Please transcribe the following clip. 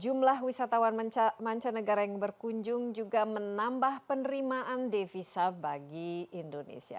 jumlah wisatawan mancanegara yang berkunjung juga menambah penerimaan devisa bagi indonesia